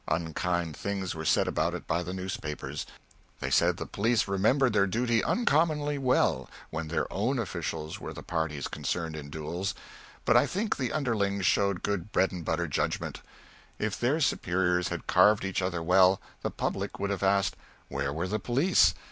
Unkind things were said about it by the newspapers. They said the police remembered their duty uncommonly well when their own officials were the parties concerned in duels. But I think the underlings showed good bread and butter judgment. If their superiors had carved each other well, the public would have asked, Where were the police?